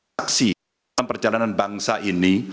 pada saat ini dalam perjalanan bangsa ini